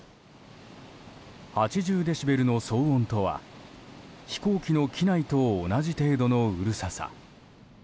デシベルの騒音とは飛行機の機内と同じ程度のうるささ。